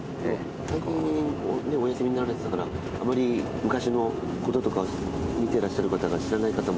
最近お休みになられてたからあまり昔のこととか見てらっしゃる方が知らない方も。